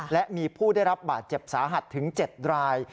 และมีผู้ได้รับบาดเจ็บสาหัสถึง๗ราย